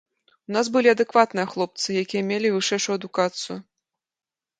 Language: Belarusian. У нас былі адэкватныя хлопцы, якія мелі вышэйшую адукацыю.